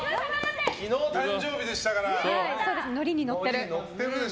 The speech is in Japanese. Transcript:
昨日誕生日でしたから。